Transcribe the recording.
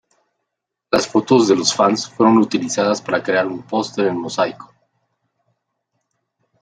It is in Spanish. Las fotos de los fans fueron utilizadas para crear un póster en mosaico.